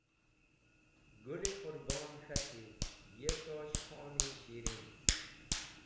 Gũl-e Qũrbon k̃hati: Ye Tosh Khon-e Shirin!